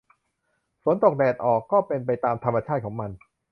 ฝนตกแดดออกก็เป็นไปตามธรรมชาติของมัน